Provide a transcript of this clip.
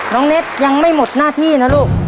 เน็ตยังไม่หมดหน้าที่นะลูก